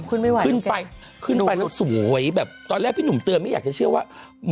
ขึ้นไม่ไหวขึ้นไปขึ้นไปแล้วสวยแบบตอนแรกพี่หนุ่มเตือนไม่อยากจะเชื่อว่า